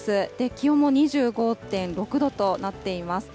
気温も２５．６度となっています。